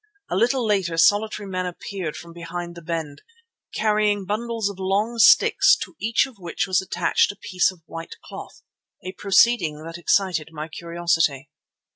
A little later solitary men appeared from behind the bend, carrying bundles of long sticks to each of which was attached a piece of white cloth, a proceeding that excited my curiosity.